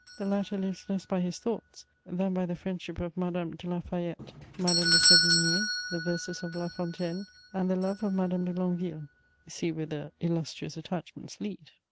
The latter lives less by his "thoughts" than by the friendship of Madame de La Fayette, Madame de Sévigné, the verses of La Fontaine, and the love of Madame de Longueville: see whither illustrious attachments lead.